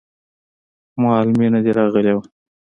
مالې مينه دې راغلې وه.